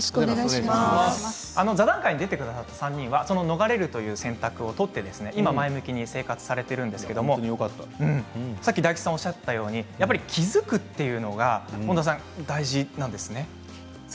座談会に出てくださった３人は逃れるという選択を取って今、前向きに生活されているんですけれどもさっき、大吉さんがおっしゃったように気付くというのが大事なんですよね。